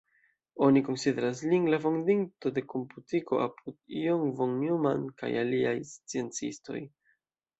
Oni konsideras lin la fondinto de komputiko apud John von Neumann kaj aliaj sciencistoj.